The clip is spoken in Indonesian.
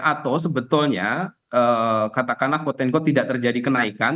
atau sebetulnya katakanlah potenco tidak terjadi kenaikan